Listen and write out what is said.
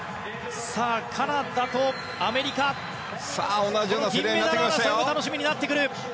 カナダとアメリカ銀メダル争いも楽しみになってくる。